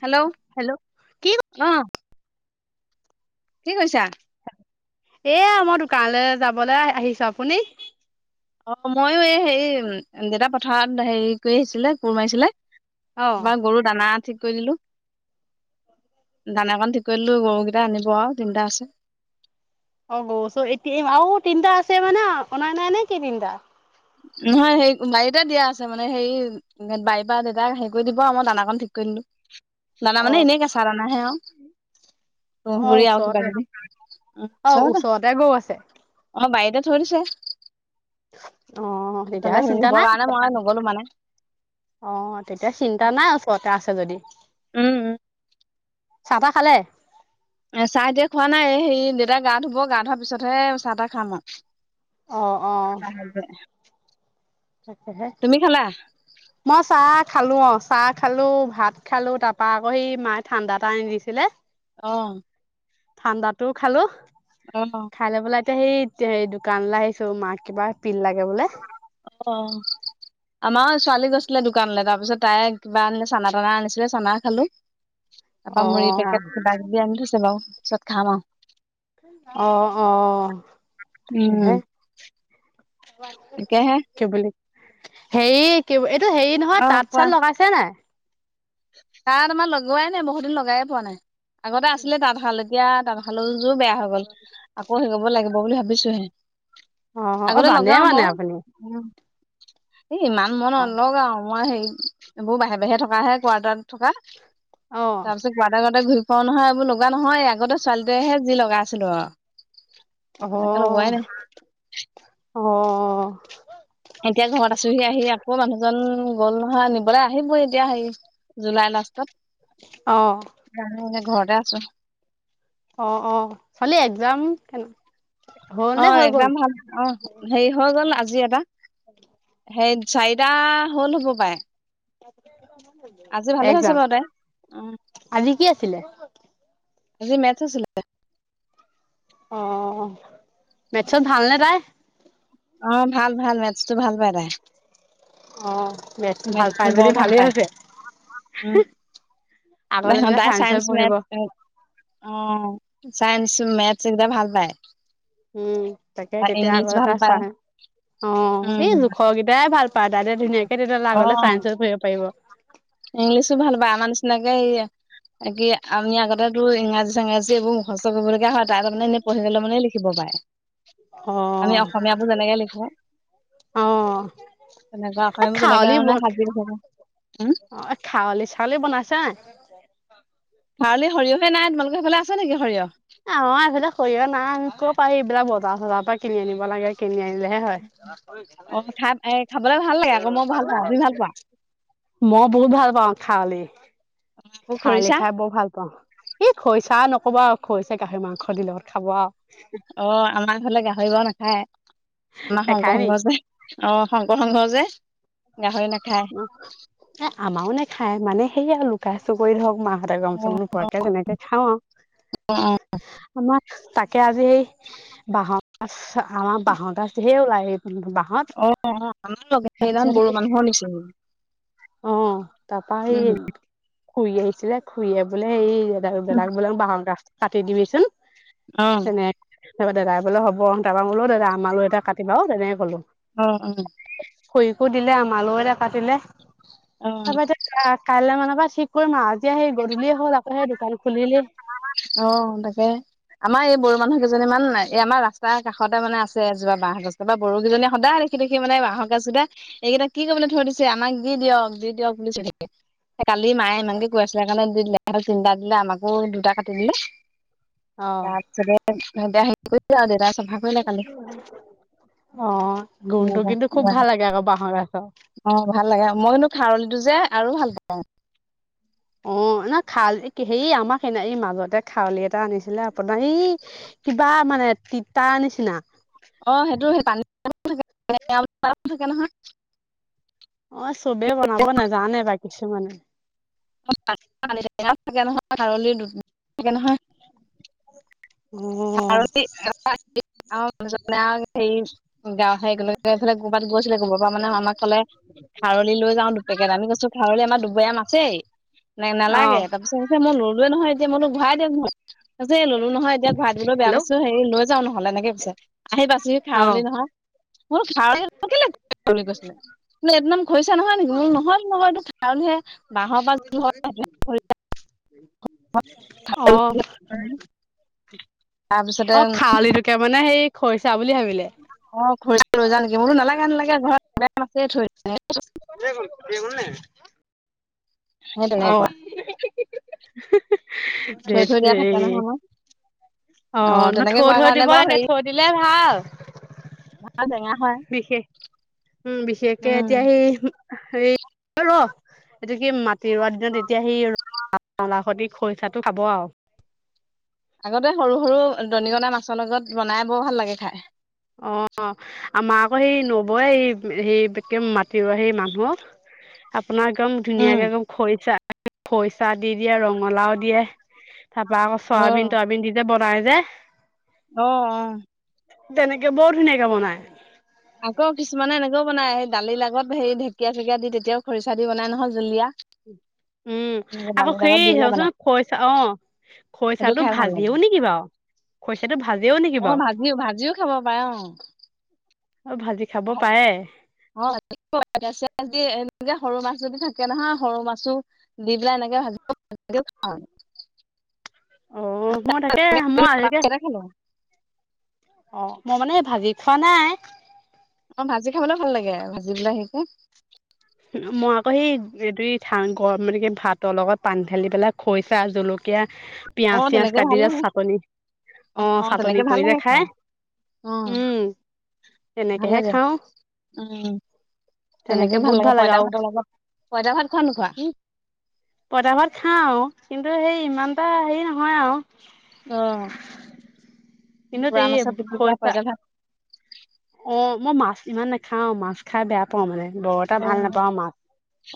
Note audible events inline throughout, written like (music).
Hello hello কি আহ কি কৈছা এয়া মই দোকানলৈ যাবলৈ আহিছো আপুনি অ মইও এ হেৰি দেউতা পথাৰত হেৰি কৰি আহিছিলে কোৰ মাৰিছিলে অ (unintelligible) এবাৰ গৰু দানা ঠিক কৰি দিলো দানাকণ ঠিক কৰিদিলো গৰুকেইটা আনিব আৱ তিনিটা আছে অ এতিয়া আৰু তিনটা আছে মানে অনাই নাই নে কি তিনটা নহয় সেই বাৰীতে দিয়া আছে মানে হেৰি বাৰী বা দেউতাক হেৰি কৰি দিব আমাৰ দানাকন ঠিক কৰি দানা অ মানে এনে কেচা দানাহে আৰু অ ত় আ কিবা ওচৰতে কিবি উ অ চত ওচৰতে গৰু আছে অ বাৰীতে থৈ দিছে আহ এইফালে তেতিয়াহে হেৰি চিন্তা হবৰ নাই। কাৰণে মই নগলো মানে অ তেতিয়া চিন্তা নাই ওচৰতে আছে যদি। উম উম চাহতাহ খালে? এ চাহ এতিয়া খোৱা নাই। এ সেই দেউতাই গা ধুব, গা ধোৱা পিছতহে চাহ তাহ খাম আৱ। অ অ অ মই চা খালো অ। চাহ খালো, ভাত খালো তাপা আকৌ সি মায়ে ঠাণ্ডা এটা আনি দিছিলে। আহ ঠাণ্ডাতো খালোঁ অ এতিয়া সেই দোকানলৈ আহিছো মাক কিবা পিন লাগে বোলে। অ আমাৰ ছোৱালী গৈছিলে দোকানলে তাৰপিছত তাই কিবা আনিলে চানা তানা আনিছিলে চানা খালো তাৰপা মুড়ি অ পেকেট কিবা কিবি আনি থৈছে বাৰু পিছত খাম আৰু অহ অ হে উম তাকেহে কি বুলি হেৰি এইটো হেৰি নহয় অ তাঁত কোৱা চাত লগাইছা নাই তাত আমাৰ লগোৱাই নাই বহুত দিন লগাই পোৱা নাই আগতে আছিলে তাঁতশাল। এতিয়া তাঁতশালযোৰ বেয়া হৈ গল। আকৌ সেকৰিব লাগিব বুলি ভাবিছোহে। অ', অ', আগতে জানে লগাও মানে বাও আপুনি এ ইমান মন অ', অলও আৰু মই হেৰি এইবোৰ বাহি বাহিৰে থকাহে কোৱাৰ্টাৰত থকা। অ', তাপাচত গাতে গাতে ঘুই চ নহয় এইবোৰ লগা নহয় আগতে ছোৱালীটোৱেহে যি লগা আছিলো আৱ। অহ অহ এতিয়া ঘৰত আছোহি আহি আকৌ মানুহজন গল নহয় নিবলৈ আহিব এতিয়া হে জুলাই লাষ্ট অ', ক'ত মানে ঘৰতে আছো অ অ ছোৱালী একজাম কেনে অ একজাম ভাল অ হেৰি হৈ গল আজি এটা সেই চাৰিটা হ'ল হ'ব পাৰে একজাম বাৰু তাই অ আজি কি আছিলে? আজি মেথ আছিলে অ মেথছত ভালনে তাই? অ ভাল ভাল মেটছটো ভাল পাই তাই অ বেছ ভাল মেথছটো পাই যদি বৰ ভাল ভালেই পায় হৈছে আগলে নাই অ তেতিয়া তাই চাইন্স লৈ চায়েন্স, পঢ়িব মেলত অ (unintelligible) চায়েন্স, মেথছ একদ ভাল পায়। (unintelligible) উম তাকে তেতিয়া ইংলিছ আৰু ভাল এটা পায় চাই অ উম এই জোখকেইটাই ভাল পাই দাদা ধুনীয়াকে তেতিয়া অ আগলে চায়ন্সত পঢ়িব পাৰিব ইংলিছো ভাল পায়। আমাৰ নিচিনাকে কি আমি আগতে তো ইংৰাজী চাঙে যে এইবোৰ মুখস্থ কৰিবলগীয়া হয়। তাৰমানে এনে পঢ়িব লে মানে লিখিব পায়। আমি অ', অসমীয়াবোৰ যেনেকে লিখো অ তেনেকা এ আখবোৰ যেনেকে খাৱলি ব ধানে হাজ দি থিব উম অ এই খাৱলি চাউলি বনাইছা নাই? ভাৰলি সৰিয়হে নাই তোমালোকে সইফালে আছে নেকি সৰিয়হ অ এইফালে সৰিয়হ নাই ক পাৰ এইবিলাক বজাৰ চজাৰৰ পৰা কিনি আনিব লাগে কিনি আনি হয় অ খাই এ খাবলে ভাল লাগে আকৌ মই ভাল পাওঁ তুমি ভাল পোৱা? (unintelligible) মই বহুত ভাল পাওঁ। খাৱলি আকৌ খাৱলি খৰিচা খাই বৰ ভাল পাওঁ। এই খৰিচা নকবা আৰু গাহৰি মাংস দিলে ঘ খাব আৰু (unintelligible) ধৰি বাৱ নাখায়। আমাৰ নেখায় শংকৰ নি সংঘ যে। অ শংকৰ সংঘ যে। (unintelligible) গাহৰি নাখায় এ আমাৰও নেখায় মানে (unintelligible) সেইয়া আৰু লুকাই চুৰ কৰি ধৰক মাহঁতে গম পোৱাকে তেনেকে খাওঁ অ অ আমাৰ তাকে (unintelligible) আজি সেই বাঁহৰ গাজ। আমাৰ বাঁহৰ গাজ ঢেৰ ওলায়। অ অ আমাৰ বাঁহত অ সেইদিনাখন বড়ো মানুহৰ নিচিনা তাৰপা সেই উম খুৰী আহিছিলে খুৰীয়ে বোলে এই দাদ- দাদাক বোলে বাঁহৰ গাছ কাটি দিবিচোন অ তেনেক তাৰপা দাদাই বোলে হ'ব তাৰপা বুলো মোলো দাদা আমালও এটা কাটিবা অ', তেনেকে ক'লো। অহ- অহ খুৰিকো দিলে আমালও এটা কাটিলে অ তাৰপা এতিয়া কাইলৈ মান পা ঠিক কৰিম আ এতিয়া সেই গধূলিয়ে হ'ল আকৌ সেই দোকান খুলিলেই অহ, তাকে। আমাৰ এই বড়ো মানুহ কেইজনীমান এই আমাৰ ৰাস্তা কাষতে মানে আছে এজোপা বাঁহগছ বড়ো কেইজনী সদায় দেখি -দেখি মানে বাঁহৰ গাছদুটা এইকেইটা কি কৰিবলৈ থৈ দিছে আমাক দি দিয়ক- দি দিয়ক বুলি চিঞৰি থাকে। কালি মায়ে ইমানকে কৈ আছিলে কাৰণে দি দিলে (unintelligible) তিনিটা দিলে আমাকো দুটা কাটি দিলে। অ (unintelligible) কালি অহ, গুণধটো কিন্তু খুব ভাল লাগে আকৌ বাঁহৰ গা অহ, ভাল লাগে মই কিন্তু খাৰলিটো যে আৰু ভাল পাওঁ। অহ, ন' খাৰলি হেৰী আমাৰ সেইদিনা এই মাজতে খাৰলি এটা আনিছিলে আপোনাৰ এই কিবা মানে তিতাৰ নিচিনা অহ, সেইটো সেই পানী (unintelligible) চবেই বনাব নেজানে বা কিছুমানে (unintelligible) থাকে নহয় খাৰলি (unintelligible) নহয়। অ (unintelligible) গাওঁ হেই (unintelligible) খাৰলি লৈ যাওঁ দুপেকেট আমি কৈছো খাৰলি আমাৰ দুবৈয়াম আছেই। নে অ নালাগে তাৰপিছত কছে মই ললোৱে নহয় এতিয়া মইতো ঘুৰাই দিয়ক (unintelligible) এই ললো নহয় এতিয়া। ঘুৰাই দিবলৈ বেয়া হেল্ল' পাইছো, হেৰি লৈ যাওঁ নহ'লে এনেকে পিছে আহি পাছেহি অ খাৰলি নহয়। (unintelligible) মই বুলো নহয়- নহয় এইটো কাৰনহে বাঁহৰ বাজ (unintelligible) অহ', তাৰপিছতে অ', খাৰলি তোকে মানে সেই খৰিচা বুলি ভাবিলে অহ, খৰিছা লৈ যাম নেকি? মই বোলো নেলাগে-নেলাগে ঘৰত (unintelligible) বৈয়ামত আছে থৈ দিয়া। (unintelligible) সে তেনেকুৱা। (unintelligible) ধেৎ থৈ দিয়া থাকে তেৰি। নহয় আমাৰ অহ, অ ন' তেনেকে কোৱা থৈ-থৈ কাৰণে দিব বাৰু লাগে হেৰি থৈ দিলে ভাল। আৰু টেঙা হয় বিশষ উম, বিশেষকে উম এতিয়া সেই হেৰী অহ ৰহ এইটো কি মাটি ৰোৱা দিনত এতিয়া সি (unintelligible) খৰিচাটো খাব আৰু। আগতে সৰু-সৰু দনিকণা মাছৰ লগত বনাই বৰ ভাল লাগে খাই। অহ, আমাৰ আকৌ সেই নবৌয়ে এই সেই এক মাতিব সেই মানুহক আপোনাৰ একদম উম। ধুনীয়াকে একদম খৰিচা- খৰিচা দি দিয়ে, ৰঙালাও দিয়ে তাৰপা আকৌ অ চয়াবিন-তয়াবিন দি যে বনাই যে অহ - অহ তেনেকে বৰ ধুনীয়াকে বনায়। আকৌ কিছুমানে এনেকেও বনাই এই দালিৰ লগত সেই ঢেকীয়া -চেকীয়া দি তেতিয়াও খৰিচা দি বনাই নহয় জুলীয়া। উম, এনেকে আকৌ দালিৰ সেই লগত দি পেলাই বনাই (unintelligible) খৰিচা অ', সেইটো খৰিচাটো খাই ভাল লাগে ভাজেও নেকি বাৰু? খৰিচাটো ভাজেও নেকি অ বাৰু? ভাজিও ভাজিও খাব পাৰে অ অ', ভাজি খাব (unintelligible) পাৰে। এনেকে সৰু মাছ যদি থাকে নহয়, সৰু মাছো দি পেলাই এনেকে ভাজিব (unintelligible) অ', মই তাকে, মই আহি কে কেইটা খালো অহ, মই মানে এই ভাজি খোৱা নাই অহ, ভাজি খাবলৈ ভাল লাগে ভাজি পেলাই সেইকে মই আকৌ সেই কি গৰম মানে কি ভাতৰ লগত পানী ঢালি পেলাই খৰিছা জলকীয়া। অ পিয়াজ চিয়াজ তেনেকে কাটি ভাল যে লাগে চাটনি অ চাটনি কৰি যে খাই অ উম। ভাল তেনেকেহে লাগে খাওঁ, তেনেকে বহুত ভাল। লাগে পইতা আৰু ভাতৰ লগত পইতা ভাত খোৱা নোখোৱা। প‌ইতাভাত খাওঁ আৰু কিন্তু সেই ইমান এটা হেৰি নহয় আৰু অহ ইনতে এইে খৰিচা পঁইতা ভাত অ, মই মাছ ইমান নাখাওঁ, মাছ খাই বেয়া পাওঁ মানে, বৰ এটা অ ভাল নেপাওঁ মাছ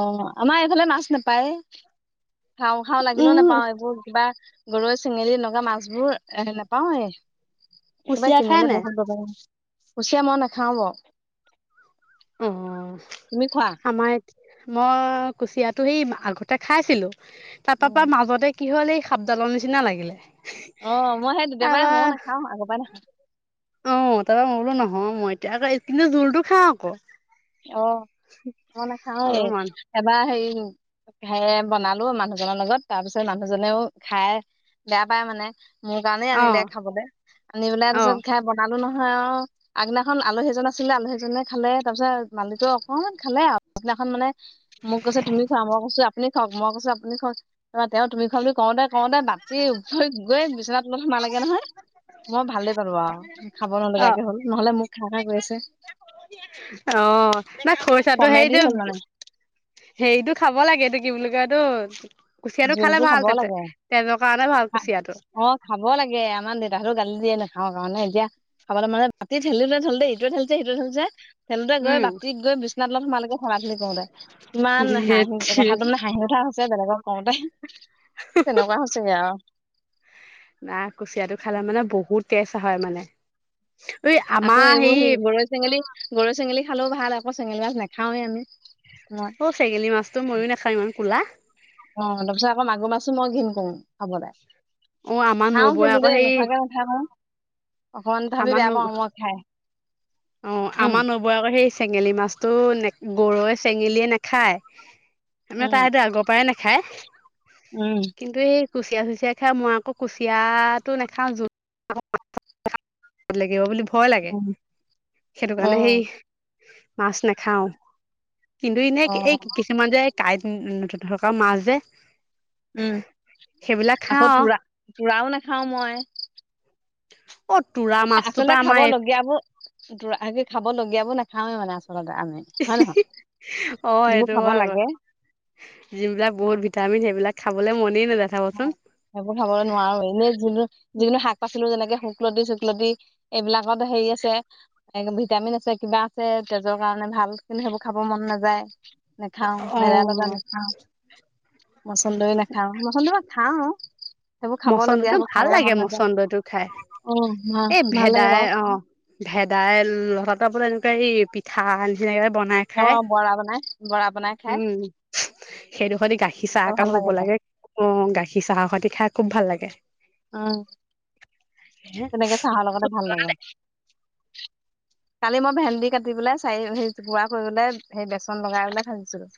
অ আমাৰ এইফালে মাছ নাপায়ে, খাওঁ খাওঁ লাগিলেও উম নাপাওঁ এইবোৰ কিবা। গৰৈ চেঙেলী এনেকুৱা মাছবোৰ এ নাপাওঁৱেই। কুচিয়া একেবাৰে খাই কিনিলে নাই বহুত পাব। কুচিয়া মই নাখাও ব। অ তুমি খোৱা আমাৰ মই কুচিয়াটো সেই আগতে খাইছিলো তাৰ পা পা উম। মাজতে কি হ'ল এই সাপডালৰ নিচিনা লাগিলে অ মই সেই তেতিয়াপায় তাৰপা মইও নাখাওঁ আগৰ পৰাই নাখাওঁ। অ তাৰপৰা মই বোলো নহওঁ মই এতিয়া আকৌ কিন্তু জোলটো খাওঁ আকৌ। অ অ নাখাও আৰু এ মান এবাৰ হেৰি। উম, সেই বনালো মানুহজনৰ লগত তাৰ পিছত মানুহজনেও খাই বেয়া পাই মানে মোৰ কাৰণেই আনিলে অ' খাবলে, আনি পেলাই তাৰপিছত অ' খাই বনালো নহয়। হয় অ আগনাখন আলহী এজন আছিলে আলহীজনে খালে তাৰপিছত মানুহতো অকনমান খালে আৱ পিছদিনাখন মানে মোক কৈছে তুমি খোৱা মই কৈছো আপুনি খাওঁক মই কৈছো আপুনি খাওক ত তেওঁ তুমি খোৱা বুলি কওঁতে কওঁতে দাতি উফৰি গৈ বিচনাৰ তলত সোমালে। নহয় মই ভালেই পালো আৰু খাব অ' নলগাকে হ'ল। নহলে মোক খা খা কৈ আছে। অ নাই খৰিচাটো কমেডি হেৰিটো, হ'ল মানে হেৰিতটো খাব লাগে কি বুলি কয় এইটো। কুচিয়াটো খালে জোলতটো ভাল খাব তাতে লাগে, তেজৰ কাৰণে ভাল কুচিয়াটো অ, খাব লাগে আমাৰ দেউতাহটো গালি দিয়ে না খা কাৰণে এতিয়া খাবলৈ মানে মাটি ঠেলোতে ঠেলোতে ইটো ঠেলিছে সিটো ঠেলছে খেলোতে গৈ উম মাতিত গৈ বিচনা তলত সোমালেগে থেলা থেলি কৰোতে, ইমান ধেৎ হাঁহি তেৰি কথাটো মানে হাঁহি উঠা হৈছে। বেলেগক কওঁতে তেনেকুৱা হৈছেগে আৰু। না কুচিয়াটো খালে মানে বহুত তেজ হয় মানে। ঐ আকৌ আমাৰ এইবোৰ হেৰি স গৰৈ চেঙেলী গৰৈ চেঙেলী খালেও ভাল আকৌ চেঙেলী মাছ নাখাওে আমি মই অ চেঙেলী মাছটো ময়ো নাখাওঁ ইমান কলা অ তাৰপিছত আকৌ মাগুৰ মাছো মই ঘৃণ কৰো খাবলৈ অ আমাৰ খাওঁ নবৌৱে কিন্তু আকৌ দেই, সেই নোখোৱাকে নাথাকো। অকমান তথাপি আমাৰ বেয়া নবৌ পাওঁ মই খাই অ উম আমাৰ নবৌৱে আকৌ সেই চেঙেলী মাছতটো নে গৰৈ চেঙেলীয়ে নাখায় মানে তাই উম সেতু আগৰ পৰাই নাখায় উম কিন্তু এই, কুচিয়া চুচিয়া খাই মই আকৌ কুচিয়াটো নাখাওঁ লাগিব বুলি ভয় লাগে উম সেইটো অ কাৰণে সেই মাছ নাখাও। কিন্তু, এনে অ এই কিছুমান যে কাঁইট নথকা মাছ যে উম, সেইবিলাক আকৌ খাওঁ তুৰা-তুৰাও নাখাওঁ মই অ তোৰা এ মাছটো পা আচলতে খাব আমাৰ লগীয়াবোৰ খাব লগীয়াবোৰ নাখাওৱে মানে আচলতে আমি (unintelligible) হয় নহয় অ যিবোৰ সেইটো খাব আকৌ লাগে যিবিলাক বহুত ভিটামিন সেইবিলাক খাবলে মন সেইবোৰ খাবলৈ নোৱাৰো। এনে যি যিকোনো শাক পাচলি যেনেকে শুকলতি লতি এইবিলাকত হেৰি আছে, ভিটামিন আছে, কিবা আছে তেজৰ কাৰণে ভাল খিনি সেইবোৰ খাব মন নাযায় নাখাও ভেদাইলতা অ'। নাখাও মচন্দৰি নাখাও মচন্দৰ খাম ও। মচন্দতটো ভাল লাগে, মচন্দইটো খায়। অ এই ভাল লাগে ভেদাই বাৰু অ ভেদাইলতাটো আপোনাৰ এনেকুৱা এই পিঠা নিচিনাকে বনাই অ খায়, বৰা বনাই বৰা বনাই খাই উম। সেইটো সতি গাখীৰ চাহ ভাল একাপ হ'ব বাৰু লাগে। অ, গাখীৰ চাহৰ সৈতে খাই খুব ভাল লাগে। উম, তেনেকে চাহৰ লগতে ভাল লাগে। (inaudible) কালি মই ভেন্দি কাটি পেলাই চাৰি হেই গুড়া কৰি পেলাই সেই বেচন লগাই পেলাই ভাজিছিলো।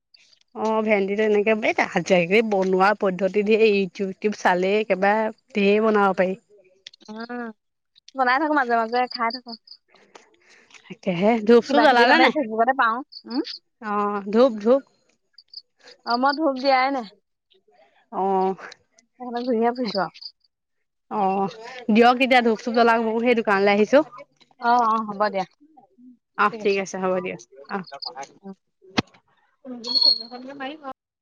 (inaudible) অ, ভেন্দি তেনেকে এ (unintelligible) বনোৱা পদ্ধতি ধেই, ইউটিউব চালেই একেবাএ ধেৰ বনাব পাৰি। উম বনাই থাকো মাজে মাজে, খাই থাকো। তাকেহে ধূপ চুপ কিবা কিবি জ্বলালে তামানে নাই? ফেচবুকতে পাও। উম। অ ধূপ-ধূপ আমত অ সেইকাৰণে ঘূৰিহে তাকে, ফুৰিছো অ দিয়ক সন্ধিয়া ধূপ-চুপ জ্বলাও। মইও সেই দোকানলৈ আহিছো। আৰু অ অ হ'ব দিয়া আহ ঠিক আছে, হ'ব দিয়া, আহ উম (unintelligible)